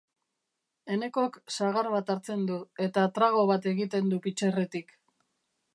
Enekok sagar bat hartzen du, eta trago bat egiten du pitxerretik.